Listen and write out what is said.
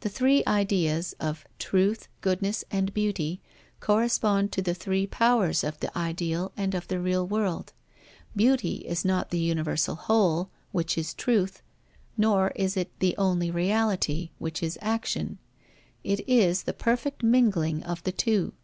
The three Ideas of Truth, Goodness, and Beauty correspond to the three powers of the ideal and of the real world. Beauty is not the universal whole, which is truth, nor is it the only reality, which is action: it is the perfect mingling of the two.